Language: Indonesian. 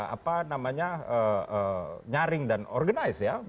apa namanya nyaring dan organized ya